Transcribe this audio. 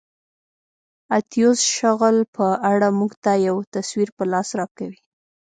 اتیوس شغل په اړه موږ ته یو تصویر په لاس راکوي.